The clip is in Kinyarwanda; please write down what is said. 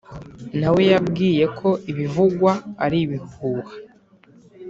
na we yabwiye ko ibivugwa ari ibihuha